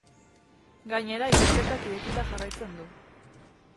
Gainera, ikerketak irekita jarraitzen du.